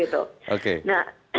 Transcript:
tidak melakukan apa apa gitu